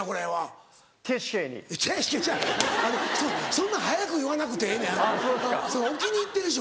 そんな早く言わなくてええねん置きにいってるし